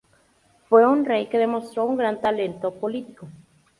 Fue un rey que demostró un gran talento político.